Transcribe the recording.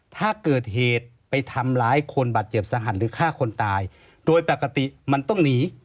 ถ้าเกิดเหตุไปทำร้ายคนบาดเจ็บสหัสหรือฆ่าคนตายโดยปกติมันต้องหนี